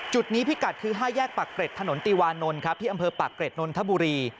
จุดนี้พิกัดคือ๕แยกปากเกร็ดถนนติวานนท์ครับที่อำเภอปากเกร็ดนนทบุรี